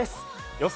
予想